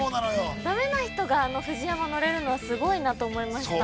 だめな人がＦＵＪＩＹＡＭＡに乗れるのはすごいなと思いました。